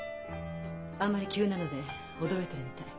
あんまり急なので驚いてるみたい。